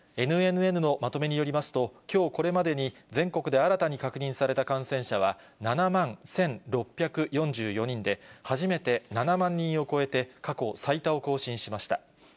ＮＮＮのまとめによりますと、きょうこれまでに全国で新たに確認された感染者は、７万１６４４人で、初めて７万人を超えて、過去最多を更新しました。